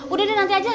udah deh nanti aja